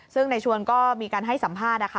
ซึ่งในชวนก็มีการให้สัมภาษณ์นะคะ